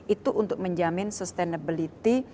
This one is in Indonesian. itu untuk menjamin sustainability